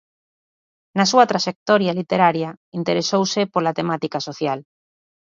Na súa traxectoria literaria interesouse pola temática social.